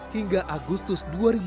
hingga agustus dua ribu sembilan belas